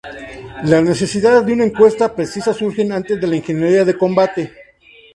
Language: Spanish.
La necesidad de una encuesta precisa surgió antes de la ingeniería de combate.